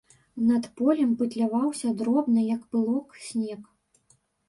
Над полем пытляваўся дробны, як пылок, снег.